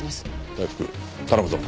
大福頼むぞ。